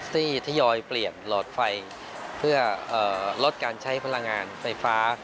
ที่ทยอยเปลี่ยนหลอดไฟเพื่อลดการใช้พลังงานไฟฟ้า